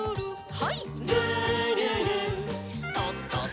はい。